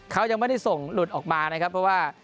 เขายังไม่ได้ส่งหลุดออกมานะครับเพราะว่า